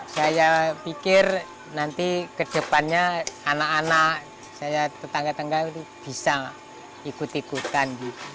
saya pikir nanti ke depannya anak anak saya tetangga tetangga itu bisa ikut ikutan